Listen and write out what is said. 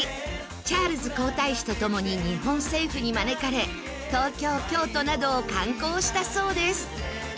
チャールズ皇太子と共に日本政府に招かれ東京京都などを観光したそうです。